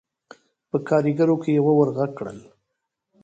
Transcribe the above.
په کارېګرو کې يوه ور غږ کړل: